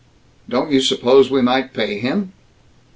"Don't you suppose we might pay him?"